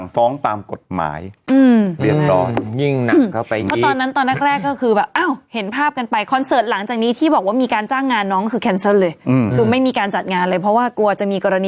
ทำไมมันเยอะอย่างนี้มันรอดแพ้มาจากไหน